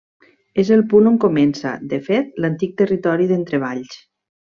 És el punt on comença, de fet, l'antic territori d'Entrevalls.